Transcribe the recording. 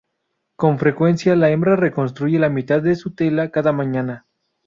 Con frecuencia, la hembra reconstruye la mitad de su tela cada mañana.